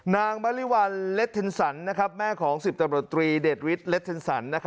นางมะลิวัลล็ดเทนสันนะครับแม่ของสิบตำรวจตรีเดทวิทย์ล็ดเทนสัน